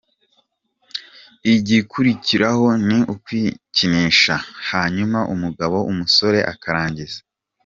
Igikurikiraho ni ukwikinisha , hanyuma umugabo-umusore akarangiza.